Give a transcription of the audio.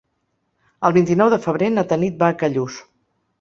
El vint-i-nou de febrer na Tanit va a Callús.